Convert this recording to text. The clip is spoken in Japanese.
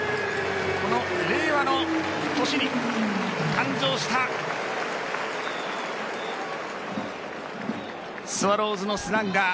この令和の年に誕生したスワローズのスラッガー